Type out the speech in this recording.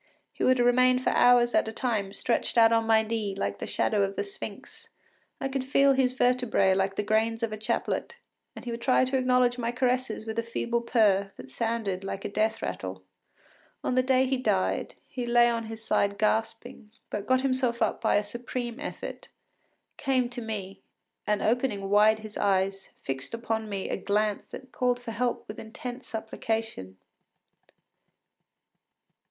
He would remain for hours at a time stretched out on my knee like the shadow of a sphinx; I could feel his vertebræ like the grains of a chaplet, and he would try to acknowledge my caresses with a feeble purr that sounded like a death rattle. On the day he died, he lay on his side gasping, but got himself up by a supreme effort, came to me, and opening wide his eyes, fixed upon me a glance that called for help with intense supplication.